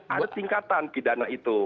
ada tingkatan pidana itu